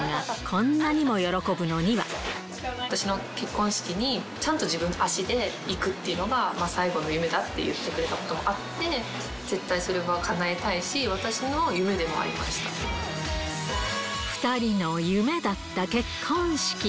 私の結婚式に、ちゃんと自分の足で行くっていうのが最後の夢だと言ってくれたこともあって、絶対それをかなえたいし、私の夢でもありました。２人の夢だった結婚式。